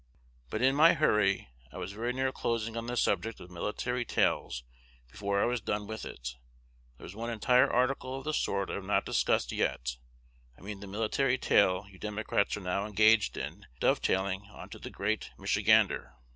"But, in my hurry, I was very near closing on this subject of military tails before I was done with it. There is one entire article of the sort I have not discussed yet; I mean the military tail you Democrats are now engaged in dovetailing on to the great Michigander.